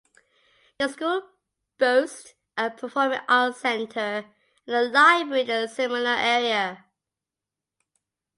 The school boasts a performing arts centre, and a library with a seminar area.